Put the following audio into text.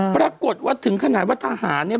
ปรากฏว่าถึงขนาดว่าทหารเนี่ย